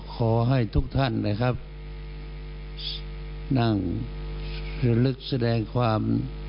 ขอให้ทุกท่านนั่งลึกแสดงความ